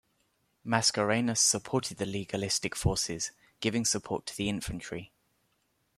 Mascarenhas supported the legalistic forces, giving support to the Infantry.